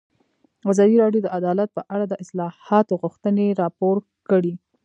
ازادي راډیو د عدالت په اړه د اصلاحاتو غوښتنې راپور کړې.